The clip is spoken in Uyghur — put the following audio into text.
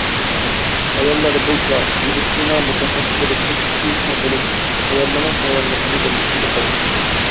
ئاياللاردا بولسا، مېدىتسىنا مۇتەخەسسىسلىرى كاسىسى چوڭ بولۇش، ئاياللارنىڭ ساغلاملىقىنىڭ بەلگىسى، دەپ قارايدىكەن.